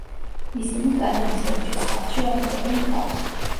ისინი კანადის ელჩის სახლში აფარებენ თავს.